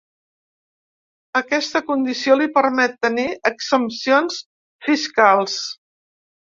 Aquesta condició li permet tenir exempcions fiscals.